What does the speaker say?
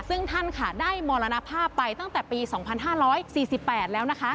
ซึ่งท่านค่ะได้มรณภาพไปตั้งแต่ปี๒๕๔๘แล้วนะคะ